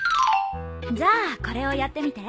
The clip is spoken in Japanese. じゃあこれをやってみて。